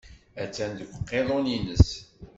Attan deg uqiḍun-nnes.